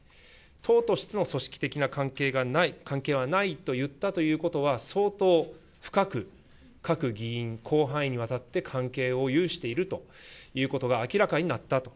党としての組織的な関係がない、関係はないと言ったということは、相当深く各議員、広範囲にわたって関係を有しているということが明らかになったと。